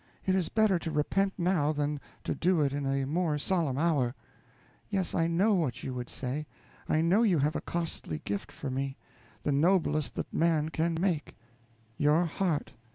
It is better to repent now than to do it in a more solemn hour. Yes, I know what you would say. I know you have a costly gift for me the noblest that man can make _your heart!